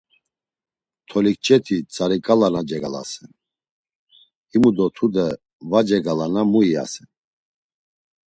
Tolikçeti Tzariǩalana cegalasen, himu do tude va cegalana mu iyasen?